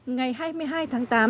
ngày hai mươi hai tháng tám